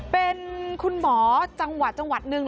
เป็นคุณหมอจังหวัดนึงละ